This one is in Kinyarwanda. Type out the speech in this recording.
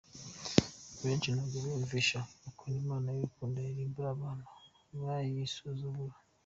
Benshi ntabwo biyumvisha ukuntu "imana y’urukundo" yarimbura abantu bayisuzugura.